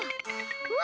うわ！